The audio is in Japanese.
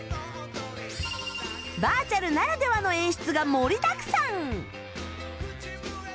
バーチャルならではの演出が盛りだくさん！